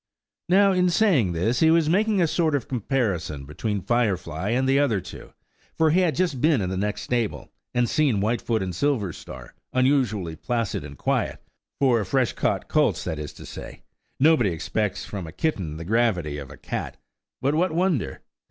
Now, in saying this, he was making a sort of comparison between Firefly and the other two; for he had just been in the next stable, and seen Whitefoot and Silverstar unusually placid and quiet–for fresh caught colts, that is to say; nobody expects from a kitten the gravity of a cat. But what wonder?